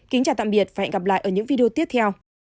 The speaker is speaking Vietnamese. kính chào tạm biệt và hẹn gặp lại ở những video tiếp theo